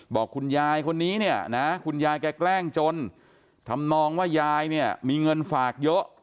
บอกคุณยายคนนี้เนี่ยนะคุณยายแกล้งจนทำนองว่ายายเนี่ยมีเงินฝากเยอะ